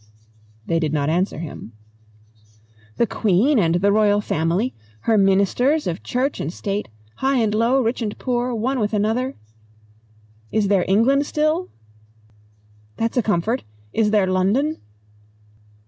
They did not answer him. "The Queen and the Royal Family, her Ministers, Church and State. High and low, rich and poor, one with another ... Is there England still?" "That's a comfort! Is there London?"